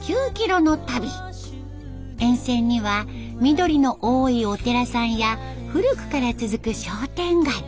沿線には緑の多いお寺さんや古くから続く商店街。